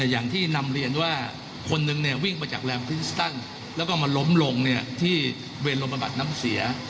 อย่างที่นำเรียนว่าคนหนึ่งวิ่งไปจากแลมพิสตัลแล้วก็มาล้มลงที่เวรโรงประบัติน้ำเสีย